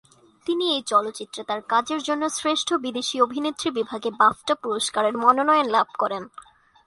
তিনি এই চলচ্চিত্রে তার কাজের জন্য শ্রেষ্ঠ বিদেশি অভিনেত্রী বিভাগে বাফটা পুরস্কারের মনোনয়ন লাভ করেন।